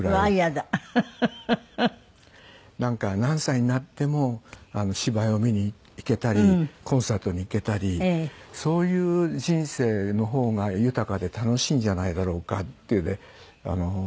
なんか何歳になっても芝居を見に行けたりコンサートに行けたりそういう人生の方が豊かで楽しいんじゃないだろうかっていうので。